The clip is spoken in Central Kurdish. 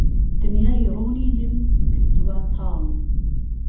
دنیای روونی لێم کردووه تاڵ